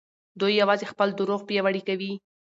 دوی يوازې خپل دروغ پياوړي کوي.